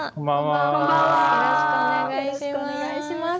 よろしくお願いします。